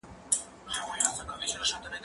زه به سبا پلان جوړوم وم؟!